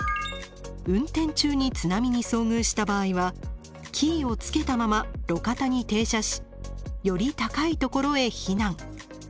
運転中に津波に遭遇した場合はキーをつけたまま路肩に停車しより高いところへ避難。